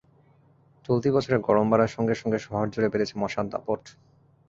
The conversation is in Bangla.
চলতি বছরে গরম বাড়ার সঙ্গে সঙ্গে শহরজুড়ে বেড়েছে মশার দাপট।